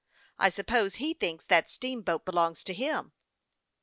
I suppose he thinks that steamboat belongs to him."